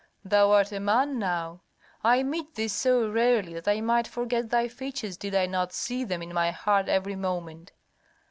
Thou art a man now! I meet thee so rarely that I might forget thy features did I not see them in my heart every moment.